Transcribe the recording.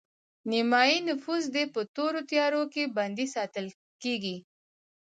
نیمایي نفوس دې په تورو تیارو کې بندي ساتل کیږي